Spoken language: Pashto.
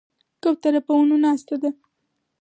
کوتره په ونو ناسته ده.